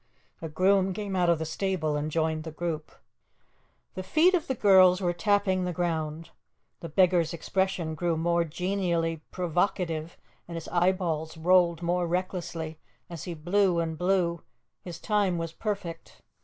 A groom came out of the stable and joined the group. The feet of the girls were tapping the ground. The beggar's expression grew more genially provocative, and his eyeballs rolled more recklessly as he blew and blew; his time was perfect.